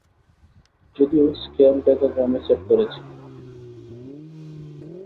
যদিও স্কেল ডেকাগ্রামে সেট করেছি।